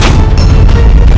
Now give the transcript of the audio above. jangan lupa yang bebas